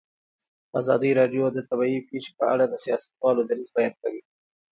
ازادي راډیو د طبیعي پېښې په اړه د سیاستوالو دریځ بیان کړی.